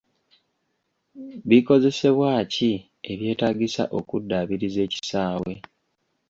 Bikozesebwa ki ebyetaagisa okuddaabiriza ekisaawe?